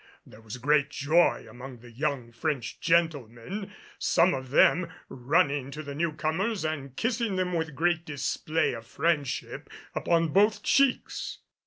There was great joy among the young French gentlemen, some of them running to the newcomers and kissing them with great display of friendship upon both cheeks.